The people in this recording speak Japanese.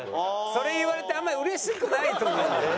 それ言われてあんまりうれしくないと思うんだよね。